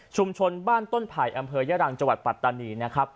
ชุมชนบ้านต้นไผ่อำเภยรังจปัตตานีนะครับ